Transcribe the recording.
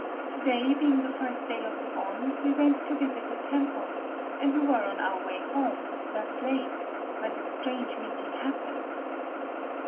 To day, being the first day of the Bon, we went to visit the temples; and we were on our way home—thus late—when this strange meeting happened."